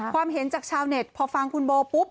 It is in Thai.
ความเห็นจากชาวเน็ตพอฟังคุณโบปุ๊บ